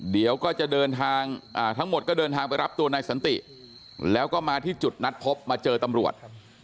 เดี๋ยวก็จะเดินทางทั้งหมดก็เดินทางไปรับตัวนายสันติแล้วก็มาที่จุดนัดพบมาเจอตำรวจ